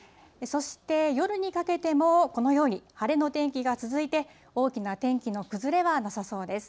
そして夜にかけても、このように晴れの天気が続いて、大きな天気の崩れはなさそうです。